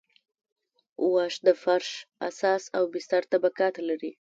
واش د فرش اساس او بستر طبقات لري